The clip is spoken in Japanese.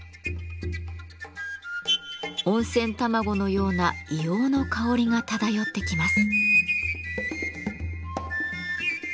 温泉卵のような硫黄の香りが漂ってきます。